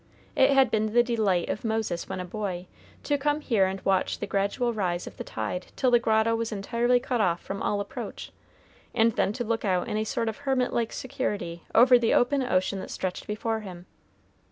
It had been the delight of Moses when a boy, to come here and watch the gradual rise of the tide till the grotto was entirely cut off from all approach, and then to look out in a sort of hermit like security over the open ocean that stretched before him.